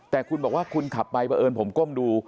แต่คุณบอกว่าคุณขับไปเพราะเอิญผมก้มดู